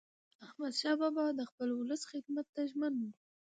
احمدشاه بابا د خپل ولس خدمت ته ژمن و.